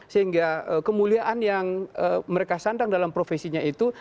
sehingga kemuliaan yang mereka sandang dalam profesinya itu